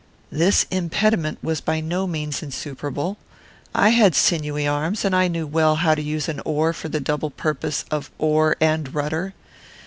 This impediment was by no means insuperable. I had sinewy arms, and knew well how to use an oar for the double purpose of oar and rudder.